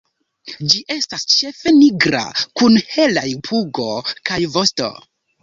Ĝi estas ĉefe nigra kun helaj pugo kaj vosto.